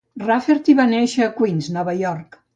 Rafferty va néixer a Queens, Nova York.